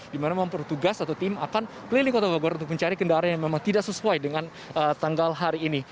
dimana memang petugas atau tim akan keliling kota bogor untuk mencari kendaraan yang memang tidak sesuai dengan tersebut